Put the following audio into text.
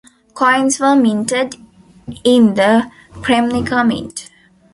Coins were minted in the Kremnica mint.